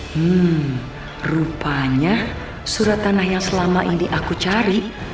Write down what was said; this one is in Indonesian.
hmm rupanya surat tanah yang selama ini aku cari